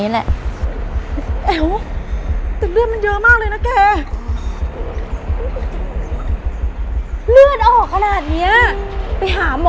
เลือดเกิดออกอีกแล้ว